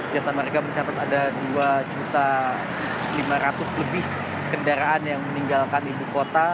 jasa marga mencatat ada dua lima ratus lebih kendaraan yang meninggalkan ibu kota